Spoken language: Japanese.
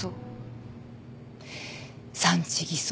産地偽装。